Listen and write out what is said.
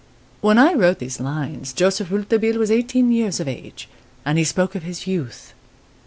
* When I wrote these lines, Joseph Rouletabille was eighteen years of age, and he spoke of his "youth."